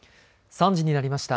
３時になりました。